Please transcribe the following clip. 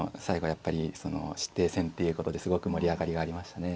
やっぱり師弟戦っていうことですごく盛り上がりがありましたね。